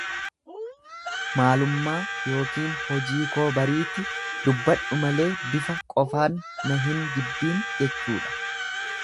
Maalummaa ykn hojii koo bariiti dubbadhu malee bifa qofaan na hin jibbiin jechuudha.